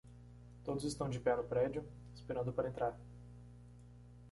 Todos estão de pé no prédio? esperando para entrar.